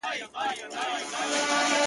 چې دې ګورم بیا به بله دنیاګۍ وي